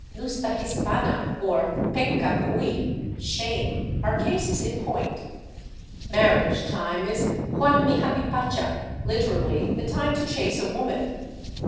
Nustahispana, or penccacuy (shame) are cases in point. Mar riage time is Huarmihapiy pacha, literally, " the time to chase a woman."